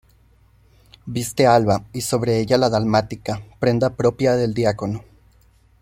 Viste alba, y sobre ella la dalmática, prenda propia del diácono.